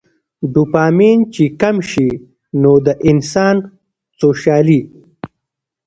ډوپامين چې کم شي نو د انسان څوشالي